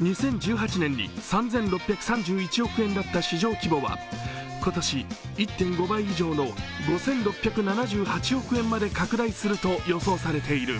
２０１８年に３６３１億円だった市場規模は今年１．５倍以上の５６７８億円まで拡大すると予想されている。